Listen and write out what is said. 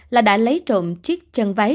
là đã lấy trộm chiếc chân váy